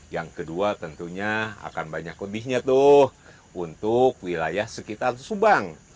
yang kedua tentunya akan banyak lebihnya tuh untuk wilayah sekitar subang